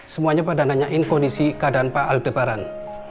semuanya pada nanyain kondisi keadaan pak aldebaran